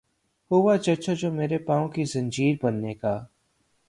ہوا چرچا جو میرے پانو کی زنجیر بننے کا